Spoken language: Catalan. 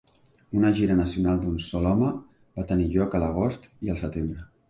Una gira nacional d'un sol home va tenir lloc a l'agost i al setembre.